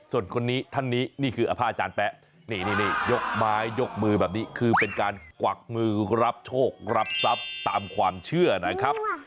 ส่วนคนนี้ท่านนี้นี่คืออผ้าอาจารย์แป๊ะนี่ยกไม้ยกมือแบบนี้คือเป็นการกวักมือรับโชครับทรัพย์ตามความเชื่อนะครับ